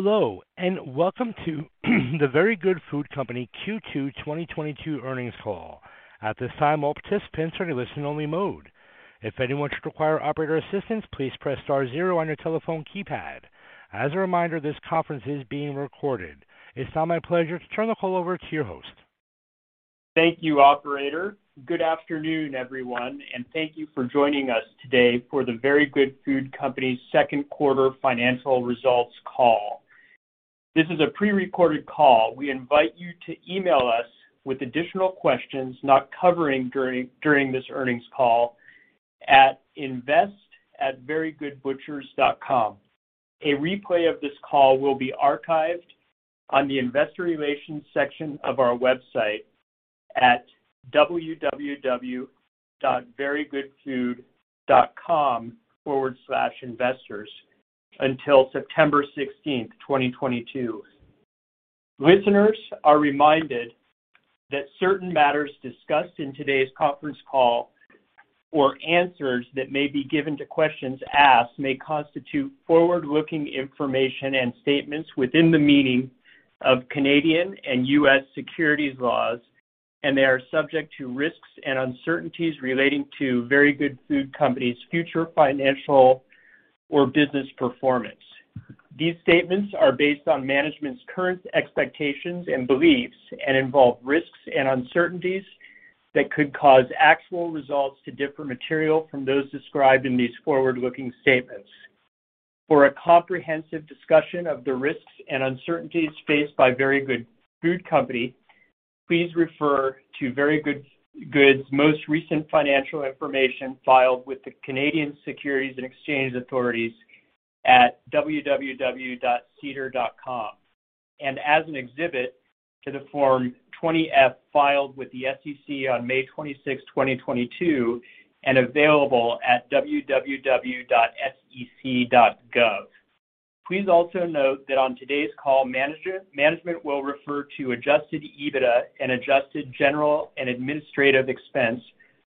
Hello, and welcome to The Very Good Food Company Q2 2022 earnings call. At this time, all participants are in a listen-only mode. If anyone should require operator assistance, please press star zero on your telephone keypad. As a reminder, this conference is being recorded. It's now my pleasure to turn the call over to your host. Thank you, operator. Good afternoon, everyone, and thank you for joining us today for The Very Good Food Company second quarter financial results call. This is a pre-recorded call. We invite you to email us with additional questions not covered during this earnings call at invest@verygoodbutchers.com. A replay of this call will be archived on the investor relations section of our website at www.verygoodfood.com/investors until September 16th, 2022. Listeners are reminded that certain matters discussed in today's conference call or answers that may be given to questions asked may constitute forward-looking information and statements within the meaning of Canadian and U.S. securities laws, and they are subject to risks and uncertainties relating to Very Good Food Company's future financial or business performance. These statements are based on management's current expectations and beliefs and involve risks and uncertainties that could cause actual results to differ materially from those described in these forward-looking statements. For a comprehensive discussion of the risks and uncertainties faced by The Very Good Food Company, please refer to The Very Good Food Company's most recent financial information filed with the Canadian Securities Administrators at www.sedar.com. As an exhibit to the Form 20-F filed with the SEC on May 26, 2022, and available at www.sec.gov. Please also note that on today's call, management will refer to adjusted EBITDA and adjusted general and administrative expense,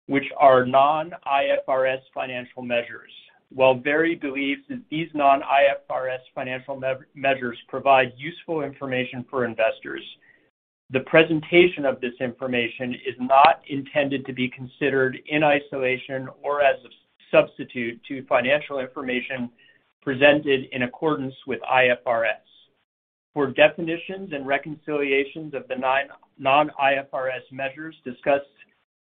which are non-IFRS financial measures. While The Very Good Food Company believes that these non-IFRS financial measures provide useful information for investors, the presentation of this information is not intended to be considered in isolation or as a substitute to financial information presented in accordance with IFRS. For definitions and reconciliations of the non-IFRS measures discussed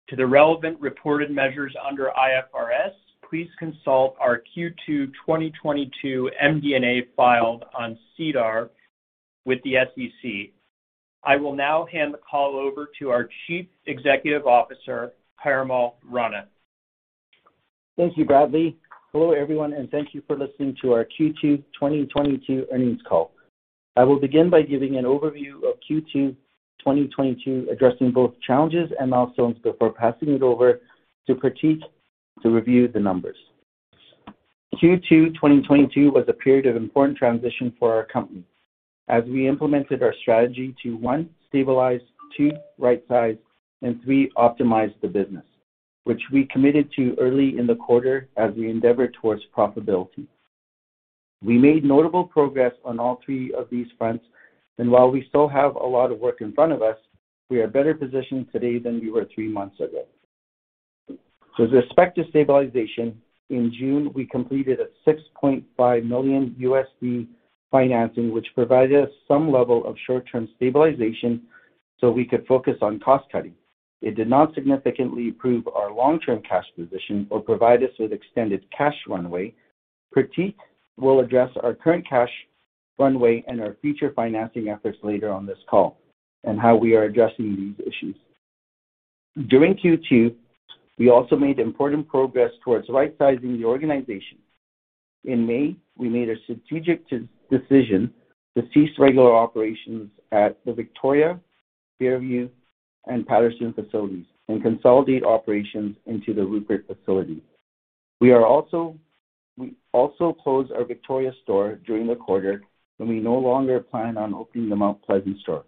to the relevant reported measures under IFRS, please consult our Q2 2022 MD&A filed on SEDAR with the SEC. I will now hand the call over to our Chief Executive Officer, Parimal Rana. Thank you, Bradley. Hello, everyone, and thank you for listening to our Q2 2022 earnings call. I will begin by giving an overview of Q2 2022, addressing both challenges and milestones before passing it over to Pratik to review the numbers. Q2 2022 was a period of important transition for our company as we implemented our strategy to, one, stabilize, two, right size, and three, optimize the business, which we committed to early in the quarter as we endeavored towards profitability. We made notable progress on all three of these fronts, and while we still have a lot of work in front of us, we are better positioned today than we were three months ago. With respect to stabilization, in June, we completed a $6.5 million financing, which provided us some level of short-term stabilization so we could focus on cost cutting. It did not significantly improve our long-term cash position or provide us with extended cash runway. Pratik will address our current cash runway and our future financing efforts later on this call and how we are addressing these issues. During Q2, we also made important progress towards rightsizing the organization. In May, we made a strategic decision to cease regular operations at the Victoria, Fairview, and Patterson facilities and consolidate operations into the Rupert facility. We also closed our Victoria store during the quarter, and we no longer plan on opening the Mount Pleasant store.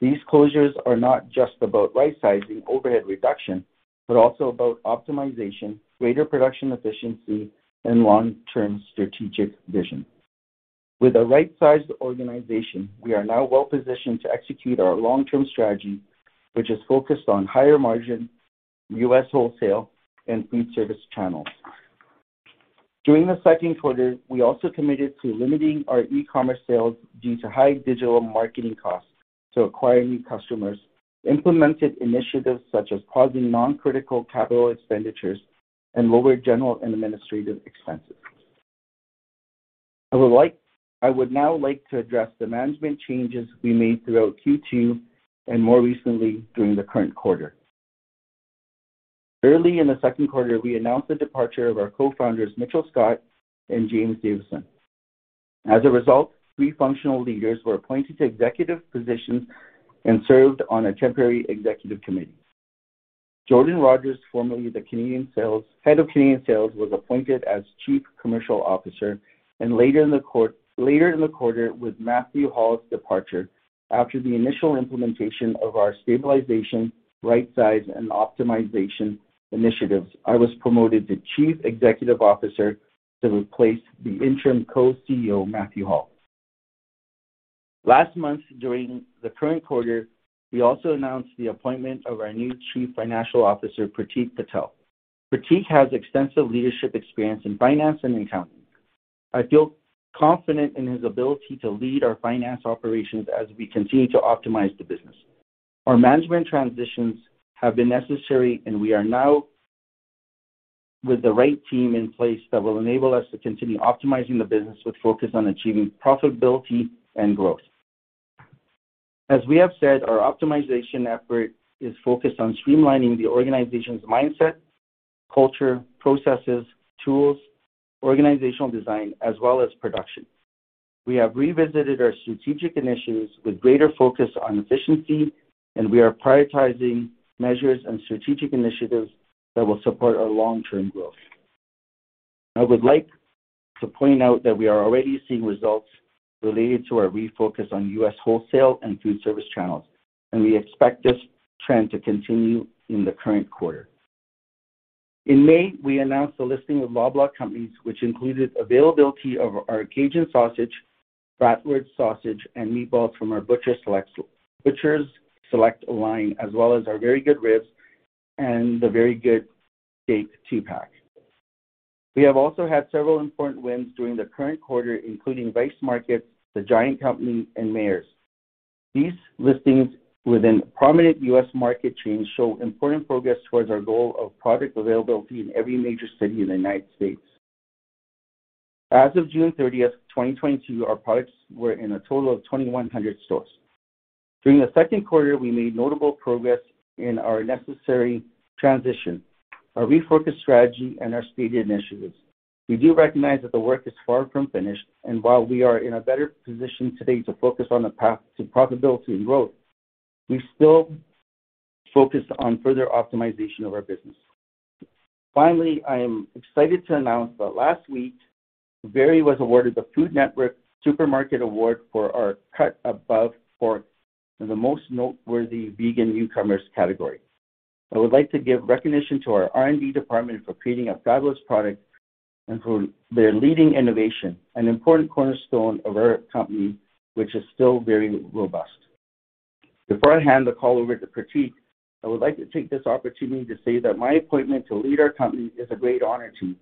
These closures are not just about rightsizing overhead reduction, but also about optimization, greater production efficiency, and long-term strategic vision. With a right-sized organization, we are now well-positioned to execute our long-term strategy, which is focused on higher margin U.S. wholesale and food service channels. During the second quarter, we also committed to limiting our e-commerce sales due to high digital marketing costs to acquire new customers, implemented initiatives such as pausing non-critical capital expenditures and lower general and administrative expenses. I would now like to address the management changes we made throughout Q2 and more recently during the current quarter. Early in the second quarter, we announced the departure of our cofounders, Mitchell Scott and James Davison. As a result, three functional leaders were appointed to executive positions and served on a temporary executive committee. Jordan Rogers, formerly head of Canadian Sales, was appointed as Chief Commercial Officer, and later in the quarter, with Matthew Hall's departure after the initial implementation of our stabilization, rightsize, and optimization initiatives, I was promoted to Chief Executive Officer to replace the interim Co-CEO, Matthew Hall. Last month, during the current quarter, we also announced the appointment of our new Chief Financial Officer, Pratik Patel. Pratik has extensive leadership experience in finance and accounting. I feel confident in his ability to lead our finance operations as we continue to optimize the business. Our management transitions have been necessary, and we are now with the right team in place that will enable us to continue optimizing the business with focus on achieving profitability and growth. As we have said, our optimization effort is focused on streamlining the organization's mindset, culture, processes, tools, organizational design, as well as production. We have revisited our strategic initiatives with greater focus on efficiency, and we are prioritizing measures and strategic initiatives that will support our long-term growth. I would like to point out that we are already seeing results related to our refocus on U.S. wholesale and food service channels, and we expect this trend to continue in the current quarter. In May, we announced the listing of Loblaw Companies, which included availability of our Cajun Sausage, Bratwurst Sausage, and meatballs from our Butcher's Select line, as well as our Very Good Ribs and the Very Good Steak two-pack. We have also had several important wins during the current quarter, including Weis Markets, The Giant Company, and Meijer. These listings within prominent U.S. market chains show important progress towards our goal of product availability in every major city in the United States. As of June 30, 2022, our products were in a total of 2,100 stores. During the second quarter, we made notable progress in our necessary transition, our refocused strategy, and our stated initiatives. We do recognize that the work is far from finished, and while we are in a better position today to focus on the path to profitability and growth, we still focus on further optimization of our business. Finally, I am excited to announce that last week, Very was awarded the Food Network Supermarket Award for our A Cut Above Pork in the Most Noteworthy Vegan Newcomers category. I would like to give recognition to our R&D department for creating a fabulous product and for their leading innovation, an important cornerstone of our company, which is still very robust. Before I hand the call over to Pratik, I would like to take this opportunity to say that my appointment to lead our company is a great honor to me.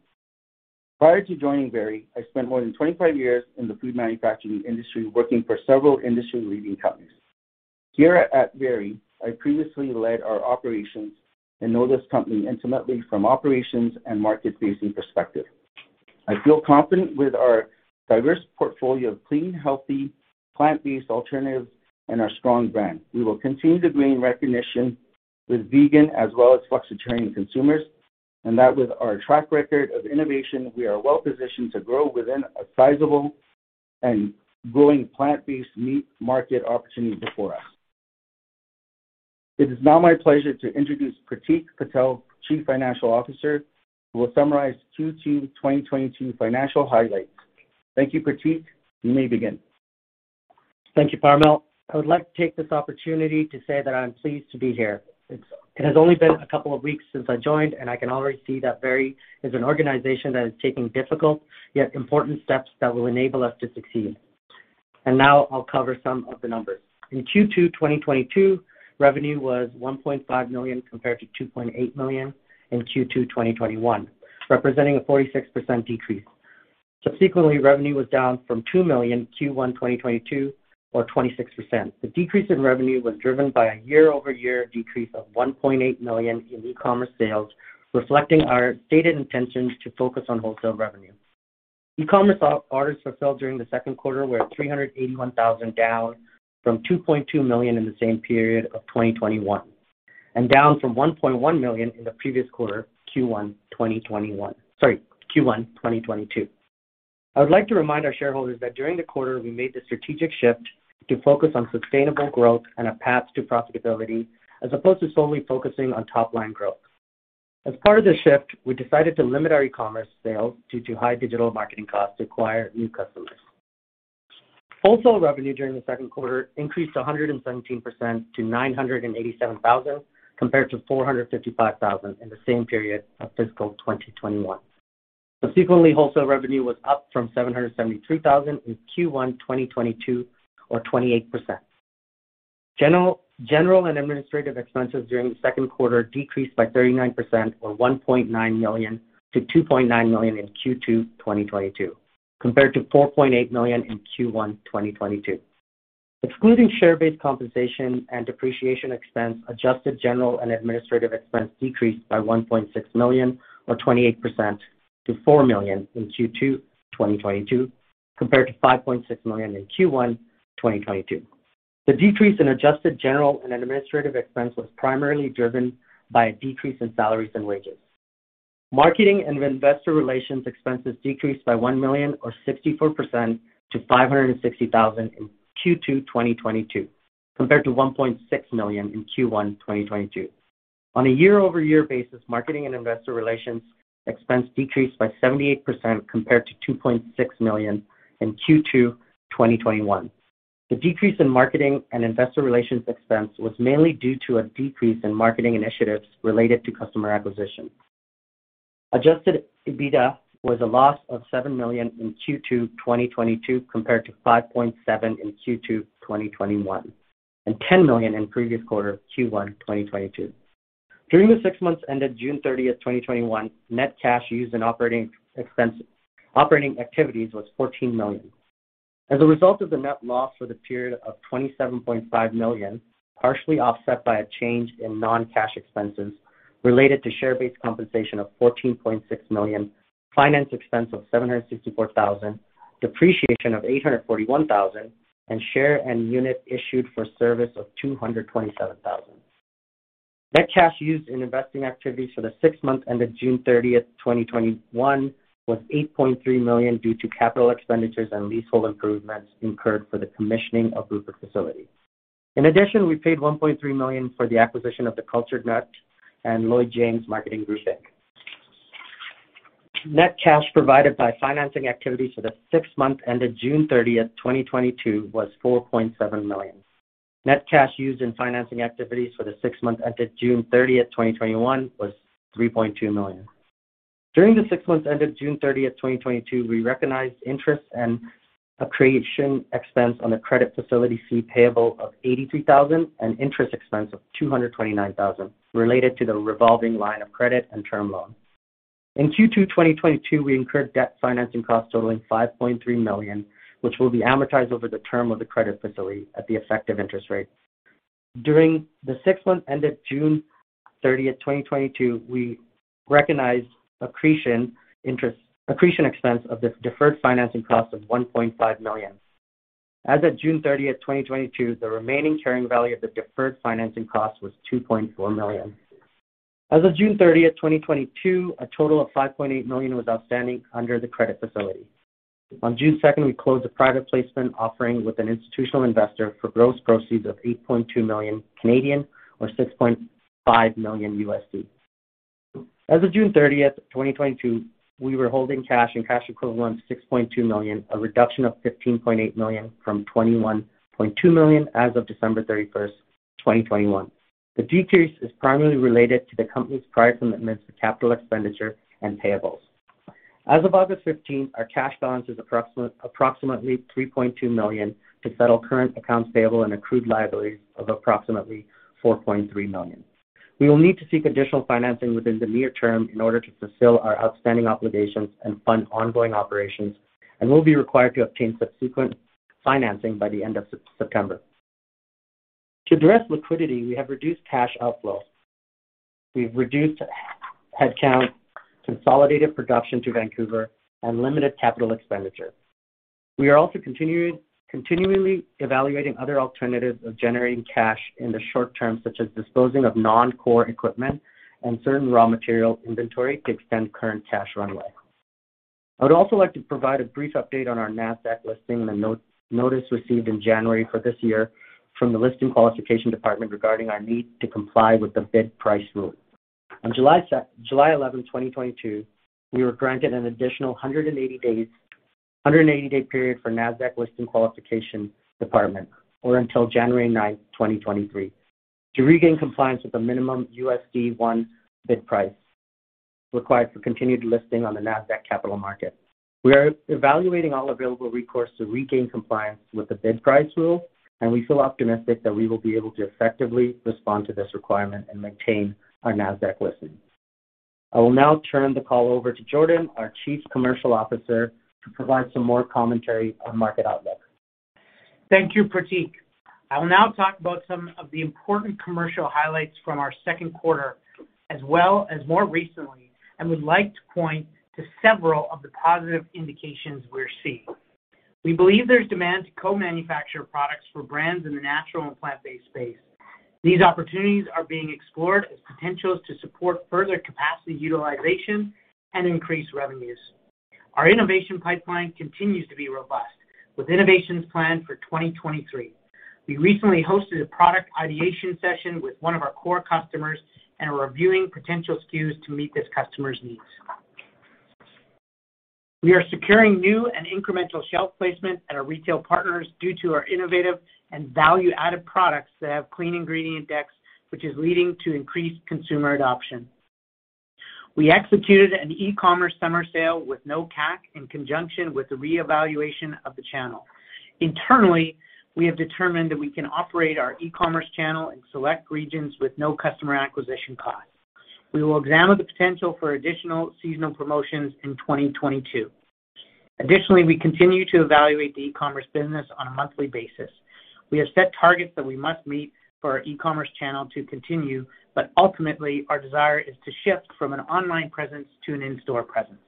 Prior to joining Very, I spent more than 25 years in the food manufacturing industry, working for several industry-leading companies. Here at Very, I previously led our operations and know this company intimately from operations and market-facing perspective. I feel confident with our diverse portfolio of clean, healthy, plant-based alternatives and our strong brand. We will continue to gain recognition with vegan as well as flexitarian consumers, and that with our track record of innovation, we are well-positioned to grow within a sizable and growing plant-based meat market opportunity before us. It is now my pleasure to introduce Pratik Patel, Chief Financial Officer, who will summarize Q2 2022 financial highlights. Thank you, Pratik. You may begin. Thank you, Parimal. I would like to take this opportunity to say that I'm pleased to be here. It has only been a couple of weeks since I joined, and I can already see that Very is an organization that is taking difficult, yet important steps that will enable us to succeed. Now I'll cover some of the numbers. In Q2 2022, revenue was 1.5 million compared to 2.8 million in Q2 2021, representing a 46% decrease. Subsequently, revenue was down from 2 million in Q1 2022 or 26%. The decrease in revenue was driven by a year-over-year decrease of 1.8 million in e-commerce sales, reflecting our stated intentions to focus on wholesale revenue. E-commerce orders fulfilled during the second quarter were at 381,000, down from 2.2 million in the same period of 2021, and down from 1.1 million in the previous quarter, Q1 2021. Sorry, Q1 2022. I would like to remind our shareholders that during the quarter, we made the strategic shift to focus on sustainable growth and a path to profitability as opposed to solely focusing on top-line growth. As part of this shift, we decided to limit our e-commerce sales due to high digital marketing costs to acquire new customers. Wholesale revenue during the second quarter increased 117% to 987,000, compared to 455,000 in the same period of fiscal 2021. Subsequently, wholesale revenue was up from 773,000 in Q1 2022 or 28%. General and administrative expenses during the second quarter decreased by 39% or 1.9 million-2.9 million in Q2 2022, compared to 4.8 million in Q1 2022. Excluding share-based compensation and depreciation expense, adjusted general and administrative expense decreased by 1.6 million or 28% to 4 million in Q2 2022, compared to 5.6 million in Q1 2022. The decrease in adjusted general and administrative expense was primarily driven by a decrease in salaries and wages. Marketing and investor relations expenses decreased by 1 million or 64% to 560,000 in Q2 2022, compared to 1.6 million in Q1 2022. On a year-over-year basis, marketing and investor relations expense decreased by 78% compared to 2.6 million in Q2 2021. The decrease in marketing and investor relations expense was mainly due to a decrease in marketing initiatives related to customer acquisition. Adjusted EBITDA was a loss of 7 million in Q2 2022, compared to 5.7 million in Q2 2021, and 10 million in previous quarter Q1 2022. During the six months ended June 30, 2021, net cash used in operating activities was 14 million. As a result of the net loss for the period of 27.5 million, partially offset by a change in non-cash expenses related to share-based compensation of 14.6 million, finance expense of 764,000 depreciation of 841,000 and share and unit issued for service of 227,000. Net cash used in investing activities for the six months ended June 30th, 2021, was CAD 8.3 million due to capital expenditures and leasehold improvements incurred for the commissioning of Rupert facility. In addition, we paid 1.3 million for the acquisition of The Cultured Nut and Lloyd-James Group, Inc. Net cash provided by financing activities for the six months ended June 30th, 2022, was 4.7 million. Net cash used in financing activities for the six months ended June 30th, 2021, was 3.2 million. During the six months ended June 30th, 2022, we recognized interest and accretion expense on the credit facility fee payable of 83 thousand and interest expense of 229,000 related to the revolving line of credit and term loan. In Q2 2022, we incurred debt financing costs totaling 5.3 million, which will be amortized over the term of the credit facility at the effective interest rate. During the six months ended June 30, 2022, we recognized accretion expense of the deferred financing cost of 1.5 million. As of June 30, 2022, the remaining carrying value of the deferred financing cost was 2.4 million. As of June 30, 2022, a total of 5.8 million was outstanding under the credit facility. On June 2, we closed a private placement offering with an institutional investor for gross proceeds of 8.2 million or $6.5 million. As of June 30, 2022, we were holding cash and cash equivalents 6.2 million, a reduction of 15.8 million from 21.2 million as of December 31st, 2021. The decrease is primarily related to the company's prior commitments to capital expenditure and payables. As of August 15, our cash balance is approximately 3.2 million to settle current accounts payable and accrued liabilities of approximately 4.3 million. We will need to seek additional financing within the near term in order to fulfill our outstanding obligations and fund ongoing operations, and we'll be required to obtain subsequent financing by the end of September. To address liquidity, we have reduced cash outflows. We've reduced headcount, consolidated production to Vancouver, and limited capital expenditure. We are also continually evaluating other alternatives of generating cash in the short term, such as disposing of non-core equipment and certain raw material inventory to extend current cash runway. I would also like to provide a brief update on our Nasdaq listing and the notice received in January for this year from the Nasdaq Listing Qualifications Department regarding our need to comply with the bid price rule. On July 11, 2022, we were granted an additional 180-day period from the Nasdaq Listing Qualifications Department or until January 9, 2023, to regain compliance with the minimum $1 bid price required for continued listing on the Nasdaq Capital Market. We are evaluating all available recourse to regain compliance with the bid price rule, and we feel optimistic that we will be able to effectively respond to this requirement and maintain our Nasdaq listing. I will now turn the call over to Jordan, our Chief Commercial Officer, to provide some more commentary on market outlook. Thank you, Pratik. I will now talk about some of the important commercial highlights from our second quarter as well as more recently, and would like to point to several of the positive indications we are seeing. We believe there's demand to co-manufacture products for brands in the natural and plant-based space. These opportunities are being explored as potentials to support further capacity utilization and increase revenues. Our innovation pipeline continues to be robust with innovations planned for 2023. We recently hosted a product ideation session with one of our core customers and are reviewing potential SKUs to meet this customer's needs. We are securing new and incremental shelf placement at our retail partners due to our innovative and value-added products that have clean ingredient decks, which is leading to increased consumer adoption. We executed an e-commerce summer sale with no CAC in conjunction with the reevaluation of the channel. Internally, we have determined that we can operate our e-commerce channel in select regions with no customer acquisition cost. We will examine the potential for additional seasonal promotions in 2022. Additionally, we continue to evaluate the e-commerce business on a monthly basis. We have set targets that we must meet for our e-commerce channel to continue, but ultimately, our desire is to shift from an online presence to an in-store presence.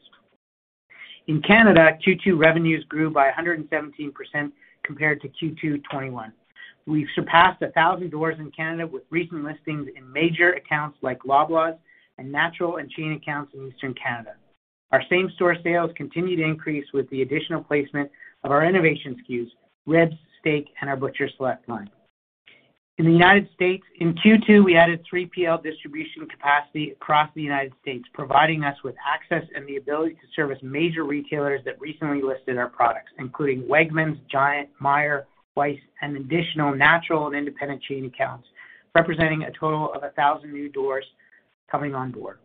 In Canada, Q2 revenues grew by 117% compared to Q2 2021. We've surpassed 1,000 doors in Canada with recent listings in major accounts like Loblaws and natural and chain accounts in Eastern Canada. Our same-store sales continue to increase with the additional placement of our innovative SKUs, ribs, steak, and our Butcher's Select line. In the United States, in Q2, we added 3PL distribution capacity across the United States, providing us with access and the ability to service major retailers that recently listed our products, including Wegmans, Giant, Meijer, Weis, and additional natural and independent chain accounts, representing a total of 1,000 new doors coming on board.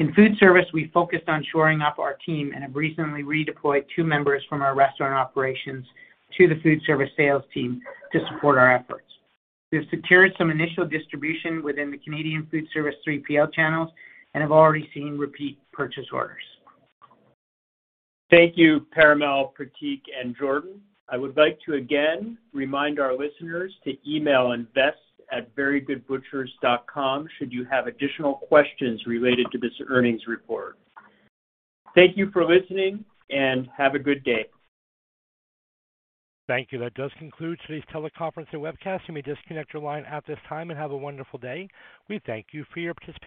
In food service, we focused on shoring up our team and have recently redeployed two members from our restaurant operations to the food service sales team to support our efforts. We have secured some initial distribution within the Canadian food service 3PL channels and have already seen repeat purchase orders. Thank you, Parimal, Pratik, and Jordan. I would like to again remind our listeners to email invest@verygoodbutchers.com should you have additional questions related to this earnings report. Thank you for listening, and have a good day. Thank you. That does conclude today's teleconference and webcast. You may disconnect your line at this time and have a wonderful day. We thank you for your participation.